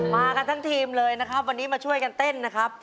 มากันทั้งทีมเลยนะครับวันนี้มาช่วยกันเต้นนะครับ